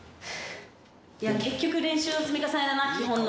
いや結局、練習の積み重ねだな、基本の。